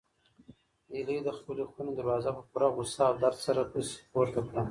هیلې د خپلې خونې دروازه په پوره غوسه او درد سره پسې پورته کړه.